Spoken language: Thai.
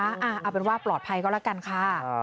เอาเป็นว่าปลอดภัยก็แล้วกันค่ะ